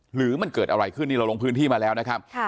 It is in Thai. หรือมันเกิดอะไรขึ้นนี่เราลงพื้นที่มาแล้วนะครับ